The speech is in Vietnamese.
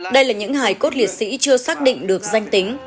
đây là những hải cốt liệt sĩ chưa xác định được danh tính